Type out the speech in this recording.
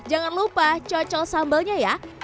jangan lupa cocok sambalnya ya